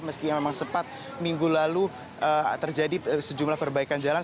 meski memang sempat minggu lalu terjadi sejumlah perbaikan jalan